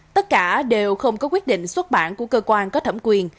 tất cả đều không có quyết định xuất bản của cơ quan có thẩm quyền